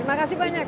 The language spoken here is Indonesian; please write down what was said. terima kasih banyak